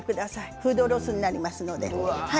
フードロスになりますので。